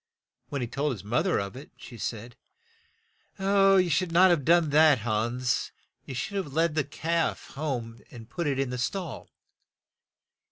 When he told his moth er of it, she said, "You should not have done that, Hans, you should have led the calf home and put it in the stall."